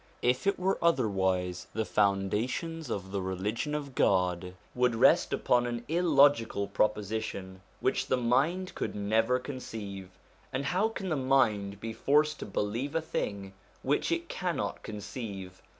If it were otherwise, the foundations of the Religion of God would rest upon an illogical proposition which the mind could never conceive, and how can the mind be forced to believe a thing which it cannot conceive?